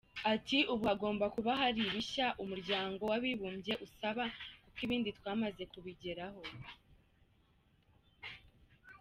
Ati ”Ubu hagomba kuba hari ibishya Umuryango w’Abibumbye usaba, kuko ibindi twamaze kubigeraho.